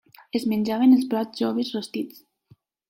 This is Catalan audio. Es menjaven els brots joves rostits.